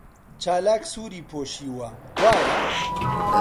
چالاک سووری پۆشیوە، وایە؟